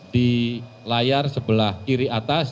di layar sebelah kiri atas